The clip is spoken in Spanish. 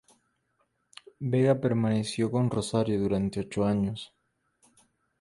Vega permaneció con Rosario durante ocho años.